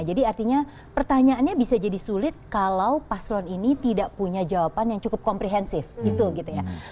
jadi artinya pertanyaannya bisa jadi sulit kalau paslon ini tidak punya jawaban yang cukup komprehensif gitu ya